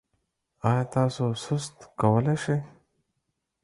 ایا تاسو سست کولی شئ؟